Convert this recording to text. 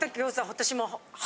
私も。